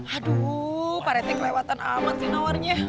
aduh pak rete kelewatan amat sih tawarnya